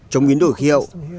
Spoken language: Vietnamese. chống biến đổi khí hậu